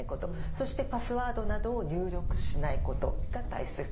そしてパスワードなどを入力しないことが大切。